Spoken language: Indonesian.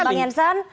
oke bang jensan